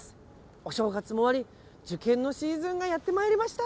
お正月も終わり受験のシーズンがやってまいりました。